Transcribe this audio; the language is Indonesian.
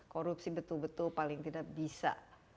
korupsi betul betul paling tidak bisa